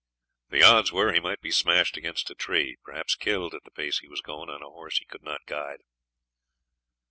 The odds were he might be smashed against a tree, perhaps killed, at the pace he was going on a horse he could not guide.